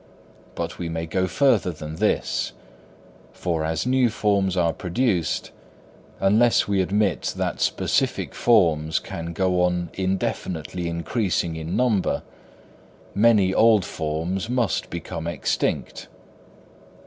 But we may go further than this; for as new forms are produced, unless we admit that specific forms can go on indefinitely increasing in number, many old forms must become extinct.